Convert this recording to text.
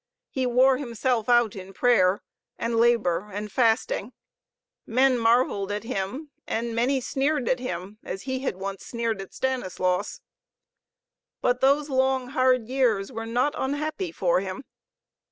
He wore himself out in prayer and labor and fasting. Men marveled at him, and many sneered at him, as he had once sneered at Stanislaus. But those long, hard years were not unhappy for him.